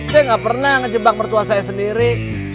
ceng nggak pernah ngejebak mertua saya sendiri